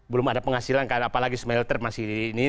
belum ada penghasilan apalagi smelter masih ini